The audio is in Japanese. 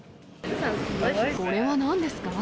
これはなんですか？